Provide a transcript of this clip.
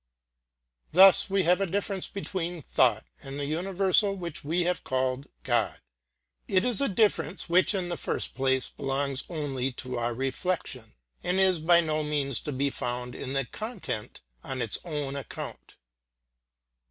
Thus we have a difference between thought and the universal which we have called God. It is a difference which in the first place belongs only to our reflection, and is by no means to be found in the content on its own account.